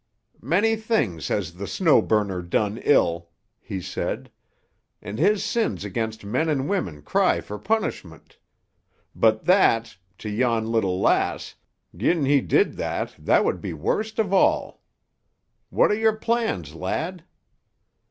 "Many things has the Snow Burner done ill," he said, "and his sins against men and women cry for punishment; but that—to yon little lass—gi'n he did that, that would be worst of all. What are your plans, lad?"